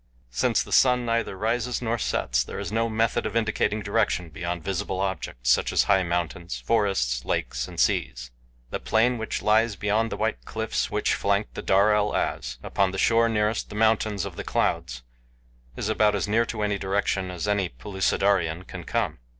Since the sun neither rises nor sets there is no method of indicating direction beyond visible objects such as high mountains, forests, lakes, and seas. The plain which lies beyond the white cliffs which flank the Darel Az upon the shore nearest the Mountains of the Clouds is about as near to any direction as any Pellucidarian can come.